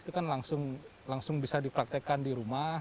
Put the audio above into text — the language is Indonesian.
itu kan langsung bisa dipraktekkan di rumah